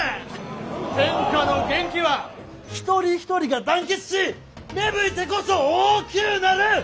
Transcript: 天下の元気は一人一人が団結し芽吹いてこそ大きゅうなる！